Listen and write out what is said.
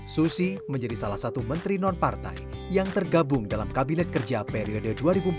susi menjadi salah satu menteri non partai yang tergabung dalam kabinet kerja periode dua ribu empat belas dua ribu dua